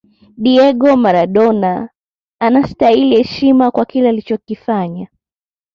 diego maradona anasitahili heshima kwa kile alichokifanya